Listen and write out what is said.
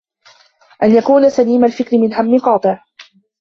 أَنْ يَكُونَ سَلِيمَ الْفِكْرِ مِنْ هَمٍّ قَاطِعٍ